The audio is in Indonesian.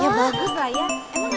iya bagus lah ya